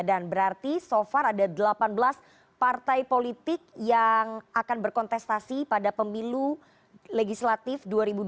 dan berarti so far ada delapan belas partai politik yang akan berkontestasi pada pemilu legislatif dua ribu dua puluh empat